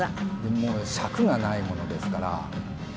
もう尺がないものですから。